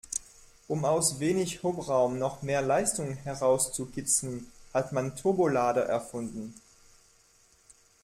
Um aus wenig Hubraum noch mehr Leistung herauszukitzeln, hat man Turbolader erfunden.